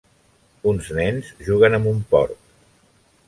Uns nens juguen amb un porc